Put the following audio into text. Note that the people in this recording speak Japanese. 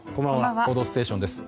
「報道ステーション」です。